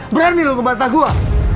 berani lu ngebantah gua